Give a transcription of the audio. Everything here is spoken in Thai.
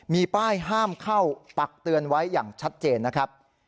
มีป้ายห้ามเข้าปักเตือนไว้อย่างชัดเจนนะครับ